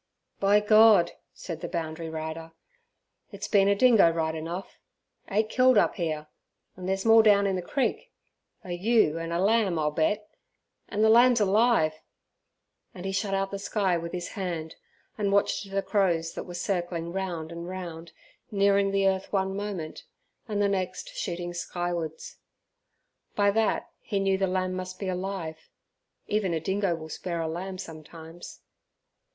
"By God!" said the boundary rider, "it's been a dingo right enough! Eight killed up here, and there's more down in the creek a ewe and a lamb, I'll bet; and the lamb's alive!" And he shut out the sky with his hand, and watched the crows that were circling round and round, nearing the earth one moment, and the next shooting skywards. By that he knew the lamb must be alive; even a dingo will spare a lamb sometimes.